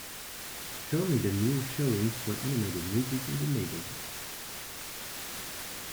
Show me the new showings for animated movies in the neighborhood